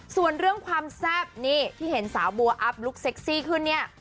ส่วนเรื่องความแซ่บนี่ที่เห็นสาวบัวอัพลุคเซ็กซี่ขึ้นเนี่ย